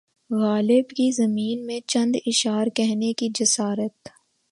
غالب کی زمین میں چند اشعار کہنے کی جسارت